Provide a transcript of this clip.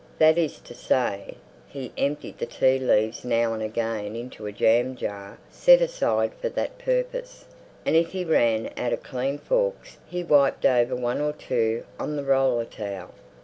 That is to say, he emptied the tea leaves now and again into a jam jar set aside for that purpose, and if he ran out of clean forks he wiped over one or two on the roller towel.